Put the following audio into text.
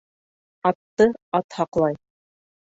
Атты ат һаҡлай.